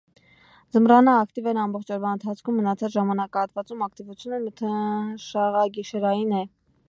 Ձմռանը ակտիվ է ամբողջ օրվա ընթացքում մնացած ժամանակահատվածում ակտիվությունը մթնշաղագիշերային է։